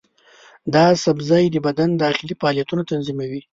دا سبزی د بدن داخلي فعالیتونه تنظیموي.